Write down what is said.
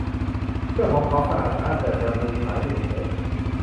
เสื้อของเขาสะอาดสะอ้านแต่กระดุมหายไปหนึ่งเม็ด